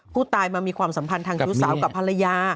ผู้ตายมามีความสัมพันธ์ทางชู้สาวกับภรรยา